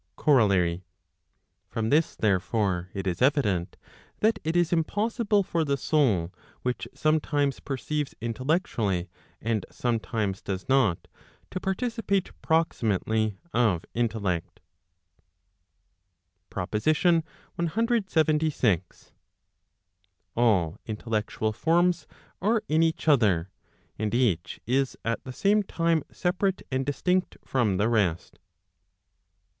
COROLLARY. From this therefore, it is evident that it is impossible for the soul which sometimes perceives intellectually and sometimes does not, to participate proximately of intellect, PROPOSITION CLXXVI. All intellectual forms are in each other, and each is at the same time separate and distinct from the rest.